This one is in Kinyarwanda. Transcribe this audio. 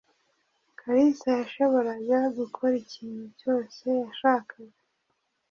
Kalisa yashoboraga gukora ikintu cyose yashakaga.